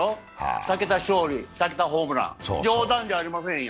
２桁勝利、２桁ホームラン、冗談じゃありませんよ。